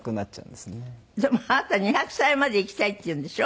でもあなた２００歳まで生きたいっていうんでしょ？